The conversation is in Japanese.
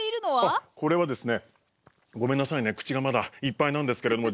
あこれはですねごめんなさいね口がまだいっぱいなんですけれども。